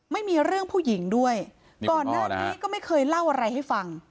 ไม่มีเรื่องผู้หญิงด้วยก่อนหน้านี้ก็ไม่เคยเล่าอะไรให้ฟัง